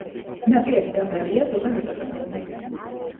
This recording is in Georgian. ნაპირები დაბალია, ზოგან იტოტება.